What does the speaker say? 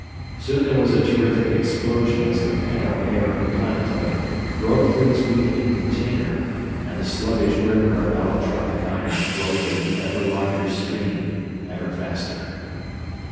Soon there was a terrific explosion as the pent up air of the planetoid broke through its weakening container, and the sluggish river of allotropic iron flowed in an ever larger stream, ever faster.